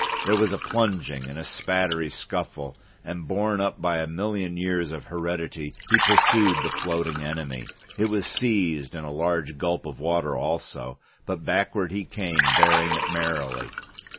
There was a plunging and a spattery scuffle, and borne up by a million years of heredity he pursued the floating enemy. It was seized, and a large gulp of water also, but backward he came bearing it merrily.